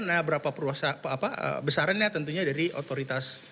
nah berapa peruasa apa besarannya tentunya dari otoritas